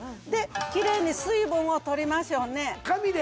きれいに水分を取りましょうね紙で？